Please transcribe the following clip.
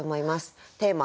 テーマ